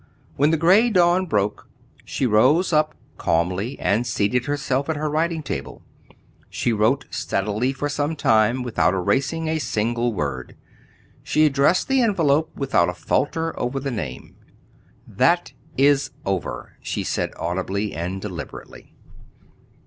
When the gray dawn broke, she rose up calmly and seated herself at her writing table. She wrote steadily for some time without erasing a single word. She addressed the envelope without a falter over the name. "That is over," she said audibly and deliberately.